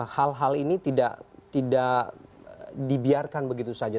hal hal ini tidak dibiarkan begitu saja